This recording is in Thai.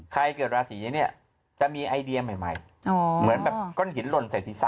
เกิดราศีเนี่ยจะมีไอเดียใหม่เหมือนแบบก้อนหินหล่นใส่ศีรษะ